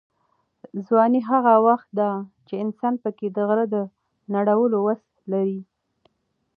ځواني هغه وخت ده چې انسان پکې د غره د نړولو وس لري.